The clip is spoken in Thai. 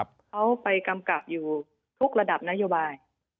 เขาไปกำกับอยู่ทุกระดับนโยบาย